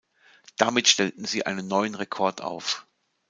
Damit stellten sie einen neuen Rekord auf.